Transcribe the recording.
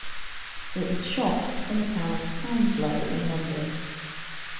It was shot in the town of Hounslow in London.